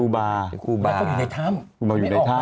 เจ้าก็อยู่ในถ้ำ